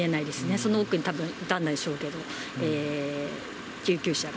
その奥にたぶんいたんでしょうけど、救急車が。